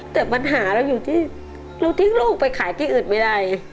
แต่ปัญหาเราอยู่ที่เราทิ้งลูกไปขายที่อื่นไม่ได้